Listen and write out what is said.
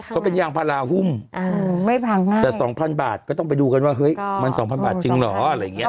เขาเป็นยางพาราหุ้มแต่๒๐๐๐บาทก็ต้องไปดูกันว่าเฮ้ยมัน๒๐๐๐บาทจริงเหรอ